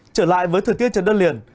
trở lại với thời tiết trần đất liền